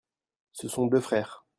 ce sont deux frères.